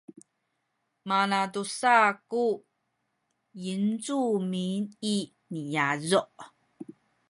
malatusa ku yincumin i niyazu’